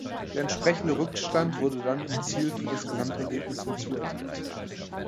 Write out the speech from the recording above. Der entsprechende Rückstand wurde dann im Ziel für das Gesamtergebnis hinzuaddiert.